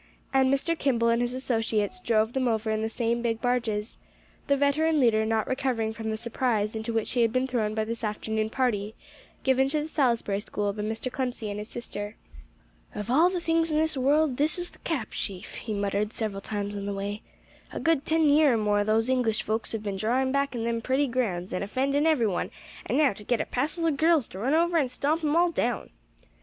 And Mr. Kimball and his associates drove them over in the same big barges, the veteran leader not recovering from the surprise into which he had been thrown by this afternoon party given to the Salisbury School by Mr. Clemcy and his sister. "Of all things in this world, this is th' cap sheaf," he muttered several times on the way. "A good ten year or more, those English folks have been drawin' back in them pretty grounds, an' offendin' every one; an' now, to get a passel o' girls to run over an' stomp 'em all down!"